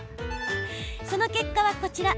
その結果はこちら。